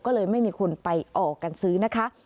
ก็เลยไม่มีคนไปออกกันซื้อนะคะ